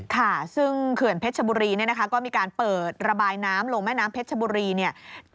ค่ะซึ่งเขื่อนเพชรชบุรีก็มีการเปิดระบายน้ำลงแม่น้ำเพชรชบุรี